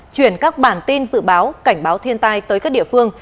chuyển các bản tin dự báo cảnh báo thiên tai tới các địa phương